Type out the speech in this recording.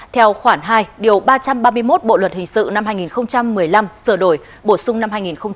theo khoản hai điều ba trăm ba mươi một bộ luật hình sự năm hai nghìn một mươi năm sửa đổi bổ sung năm hai nghìn một mươi bảy